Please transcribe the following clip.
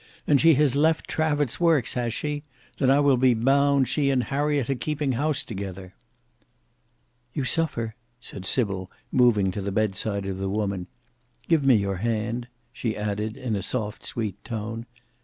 And she has left Trafford's works, has she? Then I will be bound she and Harriet are keeping house together." "You suffer?" said Sybil, moving to the bed side of the woman; "give me your hand," she added in a soft sweet tone.